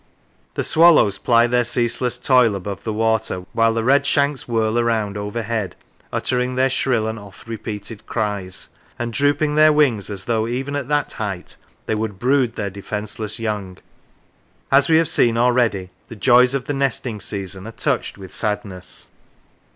The swallows ply their ceaseless toil above the water, while the redshanks whirl round overhead uttering their shrill and oft repeated cries and drooping their wings as though even at that height they would brood their defenceless young. As we have seen already the joys of the nesting season are touched with sadness.